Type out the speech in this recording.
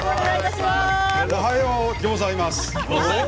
おはようギョザいます。